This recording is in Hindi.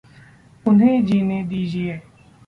उन्हें जीने दीजिये।